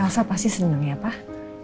rasa pasti senang ya pak